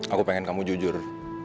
aku pengen kamu jujur